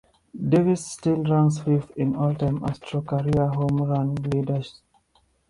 Davis still ranks fifth all-time in Astros career home run leaders.